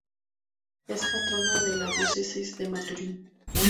Es patrona de la Diócesis de Maturín.